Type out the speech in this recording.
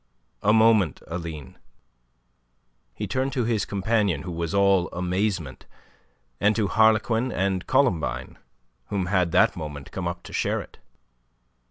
"A moment, Aline." He turned to his companion, who was all amazement, and to Harlequin and Columbine, who had that moment come up to share it.